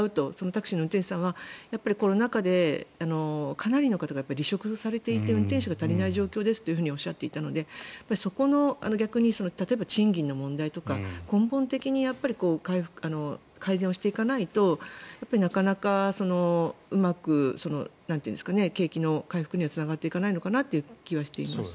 タクシーの運転手さんはコロナ禍でかなりの方が離職されて運転手が足りない状況ですとおっしゃっていたのでそこの逆に賃金の問題とか根本的に改善をしていかないとなかなかうまく景気の回復にはつながっていかないのかなという気はしています。